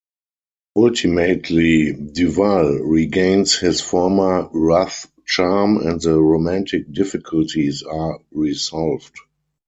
Ultimately Duvalle regains his former rough charm and the romantic difficulties are resolved.